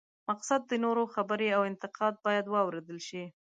مقصد د نورو خبرې او انتقاد باید واورېدل شي.